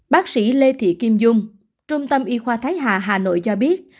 bác sĩ lê thị kim dung trung tâm y khoa thái hà hà nội cho biết